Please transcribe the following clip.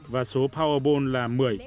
và số powerball là một mươi